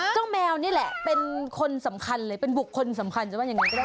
แมวนี่แหละเป็นคนสำคัญเลยเป็นบุคคลสำคัญจะว่ายังไงก็ได้